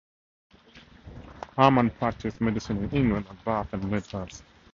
Harman practiced medicine in England at Bath and Midhurst.